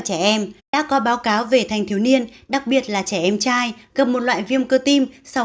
trẻ em đã có báo cáo về thanh thiếu niên đặc biệt là trẻ em trai gặp một loại viêm cơ tim sau